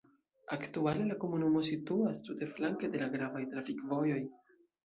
Aktuale la komunumo situas tute flanke de la gravaj trafikvojoj.